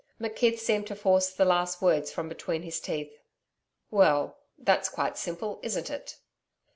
McKeith seemed to force the last words from between his teeth. 'Well, that's quite simple, isn't it?'